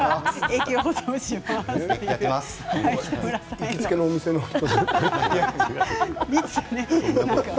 行きつけのお店の人ですか。